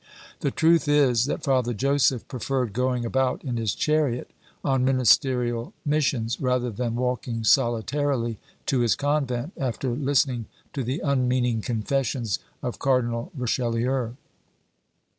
The truth is, that Father Joseph preferred going about in his chariot on ministerial missions, rather than walking solitarily to his convent, after listening to the unmeaning confessions of Cardinal Richelieu.